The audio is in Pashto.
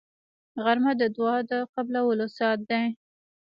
غرمه د دعا د قبولو ساعت دی